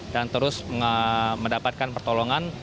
dan terus mendapatkan pertolongan